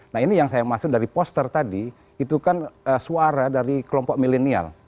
nah ini yang saya maksud dari poster tadi itu kan suara dari kelompok milenial